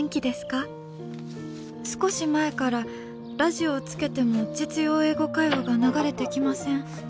少し前からラジオをつけても『実用英語会話』が流れてきません。